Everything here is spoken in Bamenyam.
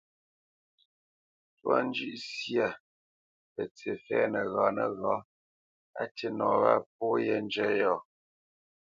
Ntwá njʉ́ʼ syâ pətsǐ fɛ̌ nəghǎ nəghǎ, á tî nɔ wâ pó yē njə́ yɔ̂,